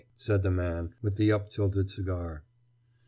said the man with the up tilted cigar.